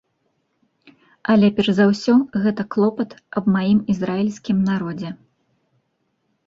Але перш за ўсё гэта клопат аб маім ізраільскім народзе.